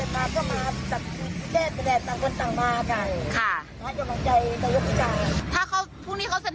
สำหรับส่วนหน้าว่าไม่ปล่อยเมืองอาจจะจับมือไปด้วยกันตลอดไป